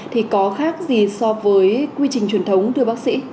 thì có khác gì so với quy trình truyền thống thưa bác sĩ